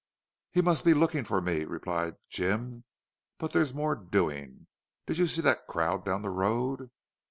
"He must be looking for me," replied Jim. "But there's more doing. Did you see that crowd down the road?"